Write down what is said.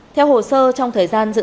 theo hồ sơ trong thời gian dự